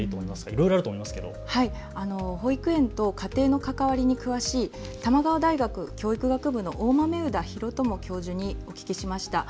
いろいろあると思いますが保育園と家庭の関わりに詳しい玉川大学教育学部の大豆生田啓友教授にお聞きしました。